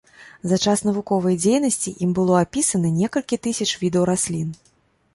За час навуковай дзейнасці ім было апісана некалькі тысяч відаў раслін.